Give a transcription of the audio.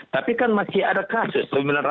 tapi kan masih ada kasus